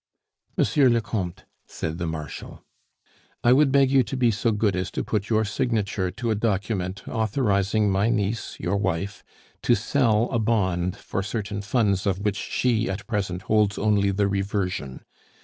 "Monsieur le Comte," said the Marshal, "I would beg you to be so good as to put your signature to a document authorizing my niece, your wife, to sell a bond for certain funds of which she at present holds only the reversion.